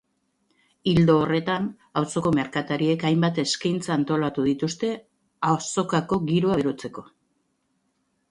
Ildo horretan, auzoko merkatariek hainbat ekintza antolatu dituzte azokako giroa berotzeko.